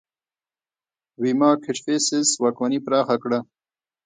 ویما کدفیسس واکمني پراخه کړه